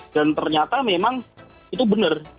dan ternyata memang itu benar